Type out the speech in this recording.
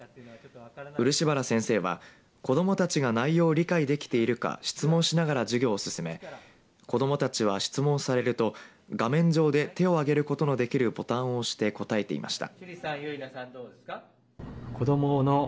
漆原先生は子どもたちが内容を理解できているか質問しながら授業を進め子どもたちは質問されると画面上で手を挙げることのできるボタンを押して答えていました。